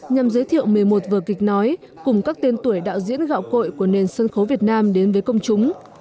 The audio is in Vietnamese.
nhằm giới thiệu một mươi một vở kịch nói cùng các tên tuổi đạo diễn gạo cội của nền sân khấu việt nam đến với công chúng